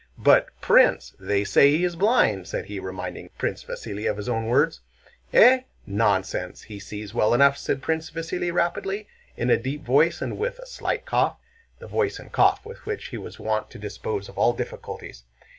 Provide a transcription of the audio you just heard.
"But, Prince, they say he is blind!" said he, reminding Prince Vasíli of his own words. "Eh? Nonsense! He sees well enough," said Prince Vasíli rapidly, in a deep voice and with a slight cough—the voice and cough with which he was wont to dispose of all difficulties.